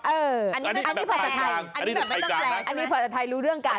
เอออันนี้แปลว่าไทยอันนี้แปลว่าไทยรู้เรื่องกัน